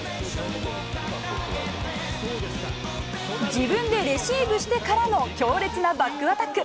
自分でレシーブしてからの強烈なバックアタック。